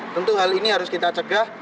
tentu hal ini harus kita cegah